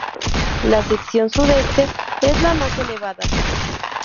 La sección sudeste es la más elevada.